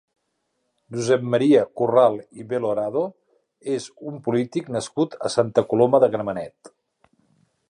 Josep Maria Corral i Belorado és un polític nascut a Santa Coloma de Gramenet.